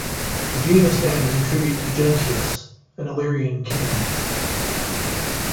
The genus name is a tribute to Gentius, an Illyrian king.